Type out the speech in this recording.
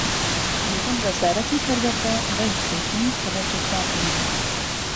لەگەڵ وەزارەتی پەروەردە ڕێک کەوتووین کە ڕۆژێک دابنێین